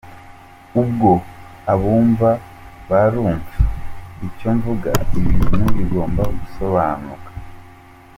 Ubwo abumva barumva icyo mvuga, ibintu bigomba gusobanuka.